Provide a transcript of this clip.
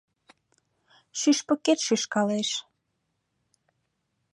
Шӱшпыкет шӱшкалеш.